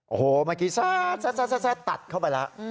โอ้โหเมื่อกี้แซดตัดเข้าไปแล้ว